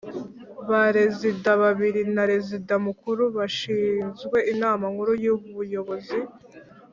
ba rezida babiri na rezida mukuru bashinzwe inama nkuru yubu yobozi